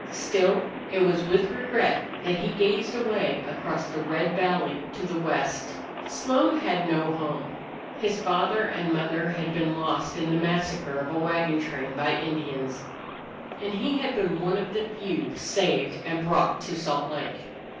Still, it was with regret that he gazed away across the red valley to the west. Slone had no home. His father and mother had been lost in the massacre of a wagon train by Indians, and he had been one of the few saved and brought to Salt Lake.